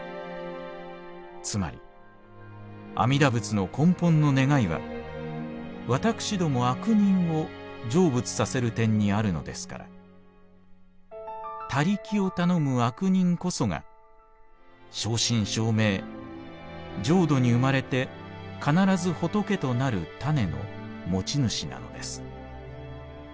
つまり阿弥陀仏の根本の願いは私ども悪人を成仏させる点にあるのですから他力をたのむ悪人こそが正真正銘浄土に生まれて必ず仏となる種の持ち主なのです。